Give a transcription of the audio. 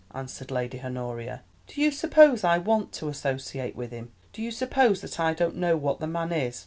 answered Lady Honoria. "Do you suppose I want to associate with him? Do you suppose that I don't know what the man is?